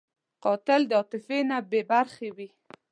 قاتل د عاطفې نه بېبرخې وي